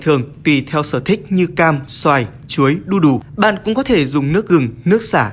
thường tùy theo sở thích như cam xoài chuối đu đủ bạn cũng có thể dùng nước gừng nước xả